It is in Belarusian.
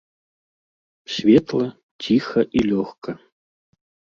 Светла, ціха і лёгка.